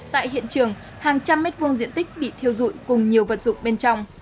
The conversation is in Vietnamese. tại hiện trường hàng trăm mét vuông diện tích bị thiêu dụi cùng nhiều vật dụng bên trong